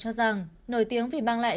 cho rằng nổi tiếng vì mang lại